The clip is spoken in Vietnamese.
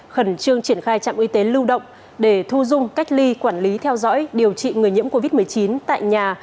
khẩn trương triển khai trạm y tế lưu động để thu dung cách ly quản lý theo dõi điều trị người nhiễm covid một mươi chín tại nhà